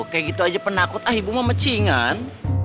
kayak gitu aja penakut ah ibu mau macingan